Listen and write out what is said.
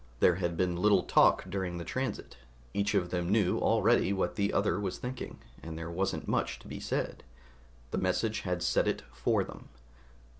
There had been little talk during the transit; each of them knew already what the other was thinking, and there wasn't much to be said. The message had said it for them.